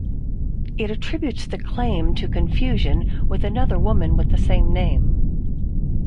It attributes the claim to confusion with another woman with the same name.